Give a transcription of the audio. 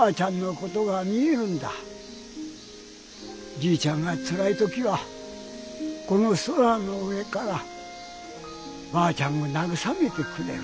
じいちゃんがつらい時はこのソラの上からばあちゃんがなぐさめてくれる。